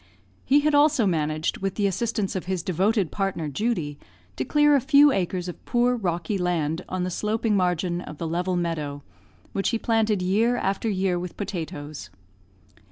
He had also managed, with the assistance of his devoted partner, Judy, to clear a few acres of poor rocky land on the sloping margin of the level meadow, which he planted year after year with potatoes.